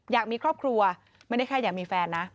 อยากมีครอบครัวไม่ได้แค่อยากมีแฟนนะ